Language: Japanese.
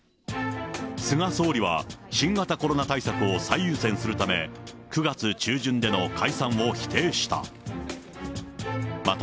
菅総理は、新型コロナ対策を最優先するため、９月中旬での解散を否定した。